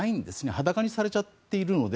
裸にされちゃっているので。